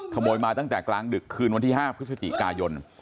ขโมยมาตั้งแต่กลางดึกคืนวันที่๕พฤศจิกายน